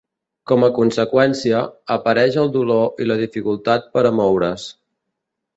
Com a conseqüència, apareix el dolor i la dificultat per a moure's.